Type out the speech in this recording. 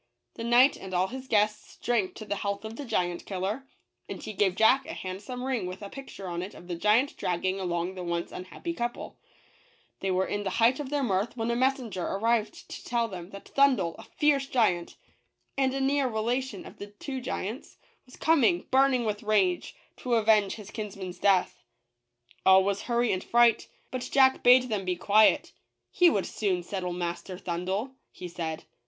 The knight and all his guests drank to the health of the Giant Killer; and he gave Jack a handsome ring with a picture on it of the giant dragging along the once un v/.JA happy couple. They were in the height of their mirth when a messenger arrived to tell them th; at Thundel, a A fierce giant and a TAKING THE GIANTS HEADS TO KING ARTHUR. 179 near relation of the JACK THE GIANT KILLER. THUNDEL IN THE CASTLE MOAT. ,wo giants, was coming, burning with rage, to avenge his kinsmen's death. All was hurry and fright; but Jack bade them be quiet — he would soon settle Master Thundel, he said.